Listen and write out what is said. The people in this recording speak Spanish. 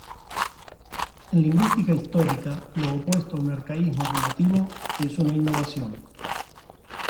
En lingüística histórica lo opuesto a un arcaísmo relativo es una innovación.